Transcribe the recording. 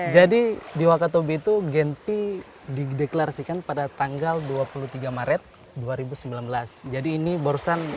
jadi di wakatobi itu genpi dideklarasikan pada tanggal dua puluh tiga maret dua ribu sembilan belas jadi ini borosan